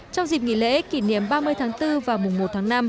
trong dịp nghỉ lễ kỷ niệm ba mươi tháng bốn và mùa một tháng năm